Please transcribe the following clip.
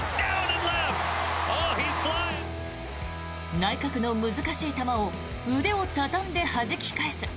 内角の難しい球を腕を畳んではじき返す